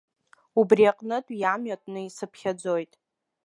Убри аҟнытә иамҩатәны исыԥхьаӡоит.